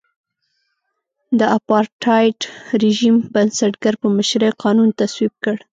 د اپارټایډ رژیم بنسټګر په مشرۍ قانون تصویب کړ.